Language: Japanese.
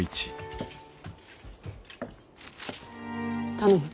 頼む。